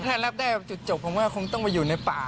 ถ้ารับได้จุดจบผมก็คงต้องไปอยู่ในป่า